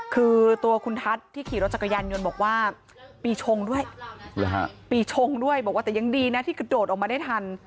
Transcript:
คือตัวคุณทัศน์ที่ขี่รถจักรยานยนต์บอกว่าปีชงด้วยปีชงด้วยบอกว่าแต่ยังดีนะที่กระโดดออกมาได้ทัน